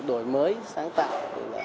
đổi mới sáng tạo